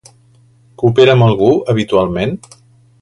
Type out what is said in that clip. Coopera amb algú habitualment?